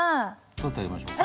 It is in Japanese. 取ってあげましょうか？